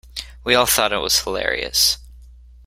We all thought it was hilarious.